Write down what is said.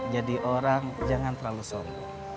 jadi orang jangan terlalu sombong